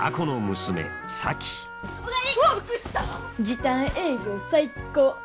時短営業最高。